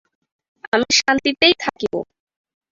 আমি শান্তিতেই থাকিব।